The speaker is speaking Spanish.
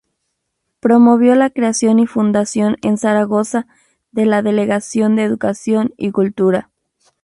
Promovió la creación y fundación en Zaragoza de la Delegación de Educación y Cultura.